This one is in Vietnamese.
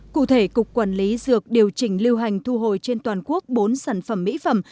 cụ thể cục quản lý dược điều chỉnh lưu hành thu hồi trên toàn quốc bốn sản phẩm mỹ phẩm